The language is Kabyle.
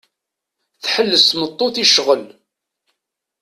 Tḥelles tmeṭṭut i ccɣel.